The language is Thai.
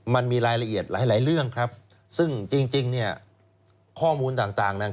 มันมีรายละเอียดหลายเรื่องครับซึ่งจริงเนี่ยข้อมูลต่างนั้น